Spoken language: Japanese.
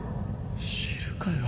知るかよ。